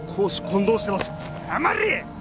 黙れ！